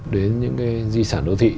đến những cái di sản đô thị